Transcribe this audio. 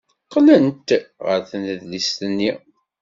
Qqlent ɣer tnedlist-nni.